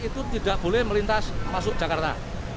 itu tidak boleh melintas masuk jakarta